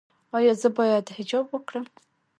ایا زه باید حجاب وکړم؟